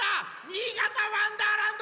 新潟「わんだーらんど」。